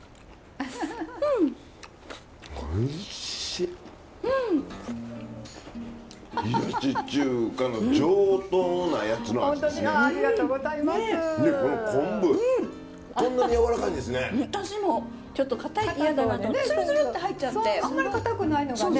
あんまりかたくないのがね